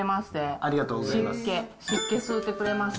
ありがとうございます。